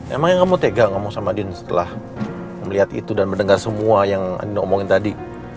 emangnya kamu tega ngomong sama andien setelah melihat itu dan mendengar semua yang andien omongin tadi